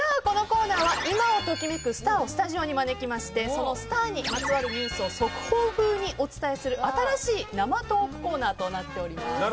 このコーナーは今を時めくスターをスタジオに招きましてそのスターにまつわるニュースを速報風にお伝えする新しい生トークコーナーとなっております。